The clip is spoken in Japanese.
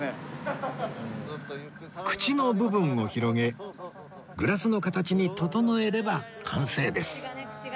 口の部分を広げグラスの形に整えれば完成です